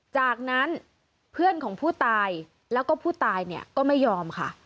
จากนั้นเพื่อนของผู้ตายแล้วก็ผู้ตายเนี่ยก็ไม่ยอมค่ะ